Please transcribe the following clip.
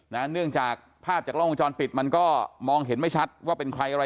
เนื่องจากภาพจากล้องวงจรปิดมันก็มองเห็นไม่ชัดว่าเป็นใครอะไร